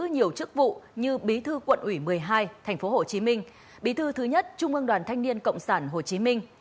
nhiều chức vụ như bí thư quận ủy một mươi hai tp hcm bí thư thứ nhất trung ương đoàn thanh niên cộng sản hồ chí minh